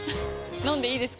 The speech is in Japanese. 飲んでいいですか？